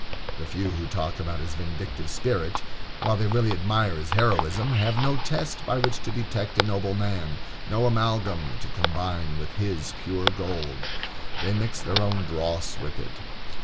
The few who talk about his vindictive spirit, while they really admire his heroism, have no test by which to detect a noble man, no amalgam to combine with his pure gold. They mix their own dross with it.